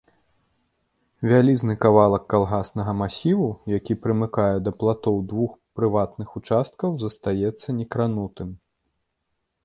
Вялізны кавалак калгаснага масіву, які прымыкае да платоў двух прыватных участкаў, застаецца некранутым.